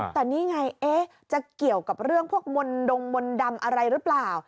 แต่นี่ไงจะเกี่ยวกับเรื่องพวกมนต์ดงมนต์ดำอะไรหรือเปล่า